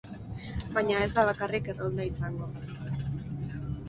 Baina ez da bakarrik errolda izango.